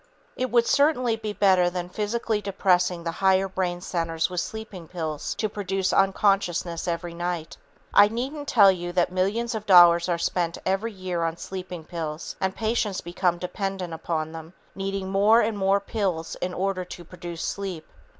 It would certainly be better than physically depressing the higher brain centers with sleeping pills to produce unconsciousness every night. I needn't tell you that millions of dollars are spent every year on sleeping pills and patients become dependent upon them, needing more and more pills in order to produce sleep.